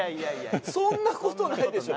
そんなことないでしょ。